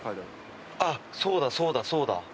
そうだそうだそうだ。